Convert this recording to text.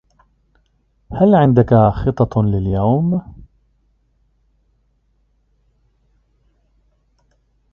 هل عندك خطط لليوم؟